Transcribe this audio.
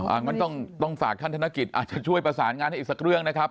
อันนั้นต้องฝากท่านธนกิจอาจจะช่วยประสานงานให้อีกสักเรื่องนะครับ